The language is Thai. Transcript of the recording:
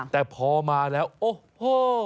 แต่พอมาแล้วโอ้โห